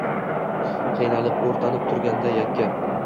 qiynalib, o’rtanib turganda yakka